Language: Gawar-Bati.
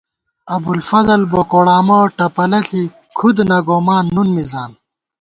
ابُوالفضل بوکوڑامہ، ٹَپَلہ ݪی کھُدنہ گومان نُن مِزان